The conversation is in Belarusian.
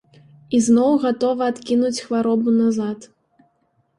Ізноў гатова адкінуць хваробу назад.